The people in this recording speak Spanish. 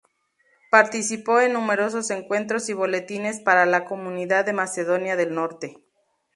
Participó en numerosos encuentros y boletines para la comunidad de Macedonia del Norte.